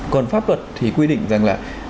còn pháp luật thì quy định rằng là